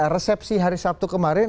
resepsi hari sabtu kemarin